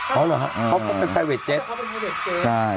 เค้าเหรอครับเค้าเป็นตายเวทเจ็ตเค้าเป็นตายเวทเจ็ต